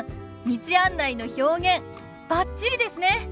道案内の表現バッチリですね！